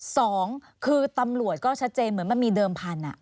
สองคือตำรวจก็ชัดเจนเหมือนมันมีเดิมพันธุ์